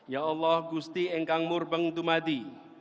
ya allah gusti engkangmur beng dumadi